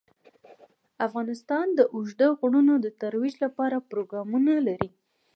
افغانستان د اوږده غرونه د ترویج لپاره پروګرامونه لري.